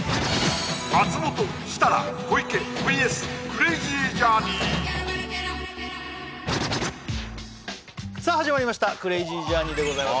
松本設楽小池ＶＳクレイジージャーニーさあ始まりましたクレイジージャーニーでございます